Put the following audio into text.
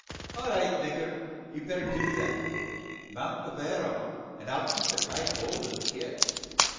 "All right, nigger. You had better do that. Mount the barrel, an' I'll keep a tight hold o' the kit."